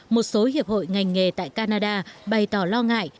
một số hiệp hội ngành nghề tại canada bày tỏ lo ngại